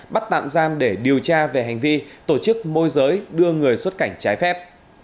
bắt tạm giam để điều tra về hành vi tổ chức môi giới đưa người xuất cảnh trái phép